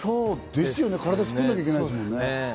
ー体作らなきゃいけないですもんね。